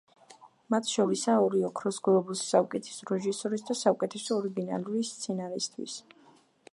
მათ შორისაა ორი ოქროს გლობუსი საუკეთესო რეჟისორის და საუკეთესო ორიგინალური სცენარისთვის.